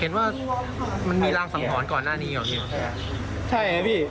เห็นว่ามันมีรางสังหรณ์ก่อนหน้านี้หรอใช่ไงพี่